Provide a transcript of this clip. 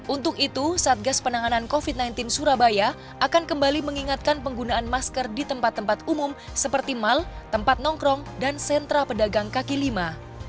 untuk itu satgas penanganan covid sembilan belas surabaya akan kembali mengingatkan penggunaan masker di tempat tempat umum seperti mal tempat nongkrong dan sentra pedagang kaki lima